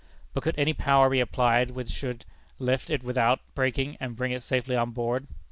But could any power be applied which should lift it without breaking, and bring it safely on board?